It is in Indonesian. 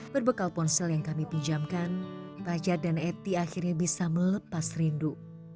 berbekal ponsel yang kami pinjamkan pajak dan eti akhirnya bisa melepas rindu